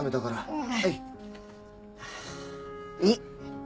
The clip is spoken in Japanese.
うん。